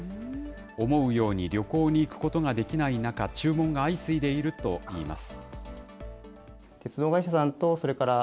思うように旅行に行くことができない中、注文が相次いでいるといいます。